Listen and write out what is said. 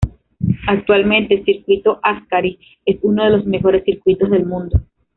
Actualmente Circuito Ascari es uno de los mejores circuitos del mundo.